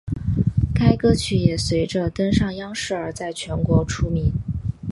该歌曲也随着登上央视而在全国出名。